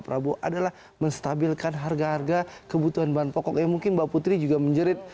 prabowo adalah menstabilkan harga harga kebutuhan bahan pokok yang mungkin mbak putri juga menjerit